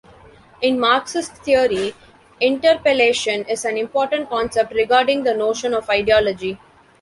In Marxist theory, interpellation is an important concept regarding the notion of ideology.